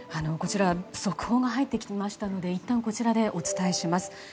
速報が入ってきましたのでいったんこちらでお伝えします。